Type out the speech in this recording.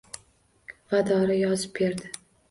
Va dori yozib berdi